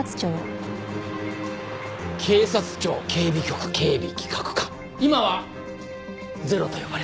警察庁警備局警備企画課今はゼロと呼ばれてる。